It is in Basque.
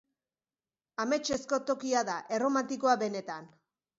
Ametsezko tokia da, erromantikoa benetan.